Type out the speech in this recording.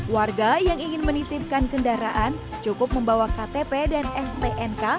warga yang ingin menitipkan kendaraan cukup membawa ktp dan stnk